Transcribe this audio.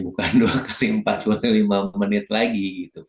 bukan dua x empat puluh lima menit lagi